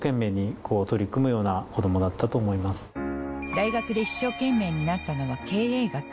大学で一生懸命になったのは経営学。